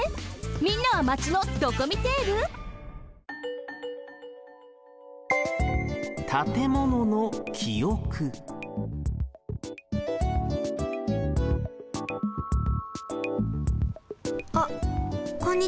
みんなはマチのドコミテール？あっこんにちは。